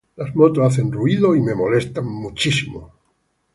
Las motos hacen ruído y me molestan.